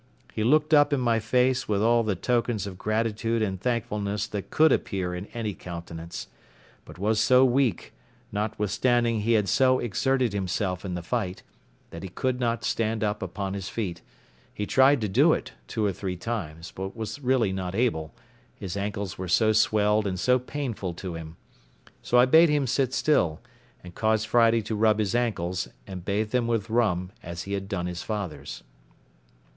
He looked up in my face with all the tokens of gratitude and thankfulness that could appear in any countenance; but was so weak, notwithstanding he had so exerted himself in the fight, that he could not stand up upon his feet—he tried to do it two or three times, but was really not able, his ankles were so swelled and so painful to him; so I bade him sit still, and caused Friday to rub his ankles, and bathe them with rum, as he had done his father's.